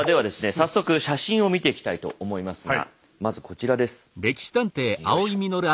早速写真を見ていきたいと思いますがまずこちらです。